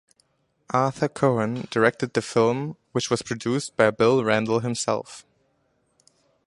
Arthur Cohen directed the film, which was produced by Bill Randle himself.